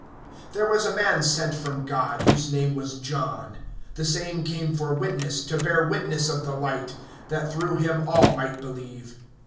(6)There was a man sent from God, whose name was John. (7)The same came for witness, to bear witness of the light, that through him all might believe.